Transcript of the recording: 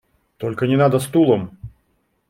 Только не надо стулом!